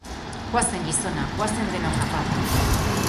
Goazen, gizona, goazen denok apapa.